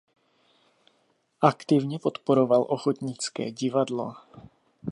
Aktivně podporoval ochotnické divadlo.